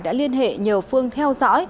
đã liên hệ nhờ phương theo dõi